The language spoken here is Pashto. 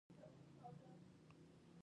ایا ستاسو ملا به نه ماتیږي؟